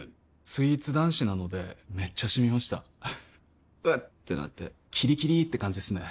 スイーツ男子なのでめっちゃシミました「うっ」ってなってキリキリって感じですね